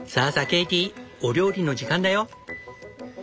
ケイティお料理の時間だよ！